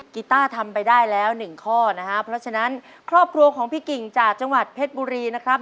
กีต้าทำไปได้แล้วหนึ่งข้อนะฮะเพราะฉะนั้นครอบครัวของพี่กิ่งจากจังหวัดเพชรบุรีนะครับ